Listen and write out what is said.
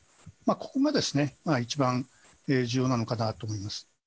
ここが一番重要なのかなと思います。